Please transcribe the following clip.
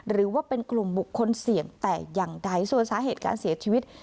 หรือว่าเป็นกลุ่มบุคคลเสี่ยงแต่อย่างใดส่วนสาเหตุการเสียชีวิต